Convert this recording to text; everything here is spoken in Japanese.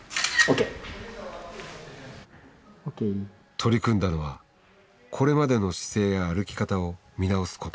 取り組んだのはこれまでの姿勢や歩き方を見直すこと。